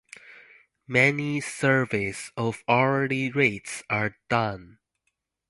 Many surveys of hourly rates are done.